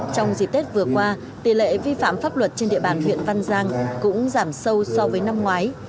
trong dịp tết vừa qua tỷ lệ vi phạm pháp luật trên địa bàn huyện văn giang cũng giảm sâu so với năm ngoái